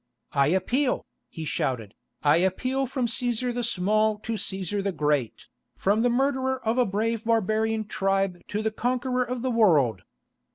"I appeal," he shouted, "I appeal from Cæsar the Small to Cæsar the Great, from the murderer of a brave barbarian tribe to the conqueror of the world.